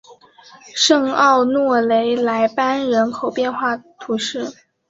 圣奥诺雷莱班人口变化图示